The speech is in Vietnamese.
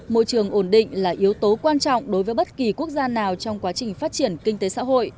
môi trường ổn định là yếu tố quan trọng đối với bất kỳ quốc gia nào trong quá trình phát triển kinh tế xã hội